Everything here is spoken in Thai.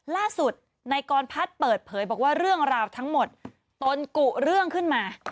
ล่าสุดนายกรพัฒน์เปิดเผยบอกว่าเรื่องราวทั้งหมดตนกุเรื่องขึ้นมา